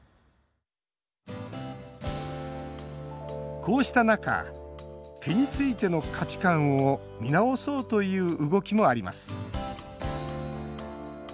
こうした中毛についての価値観を見直そうという動きもあります。